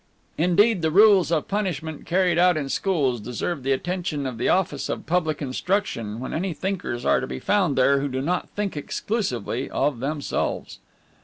Indeed, the rules of punishment carried out in schools deserve the attention of the Office of Public Instruction when any thinkers are to be found there who do not think exclusively of themselves.